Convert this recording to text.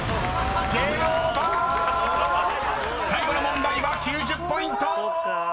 ［最後の問題は９０ポイント！］